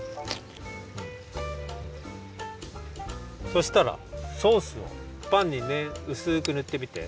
そうしたらソースをパンにねうすくぬってみて！